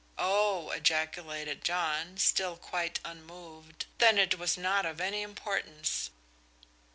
"Oh," ejaculated John, still quite unmoved, "then it was not of any importance."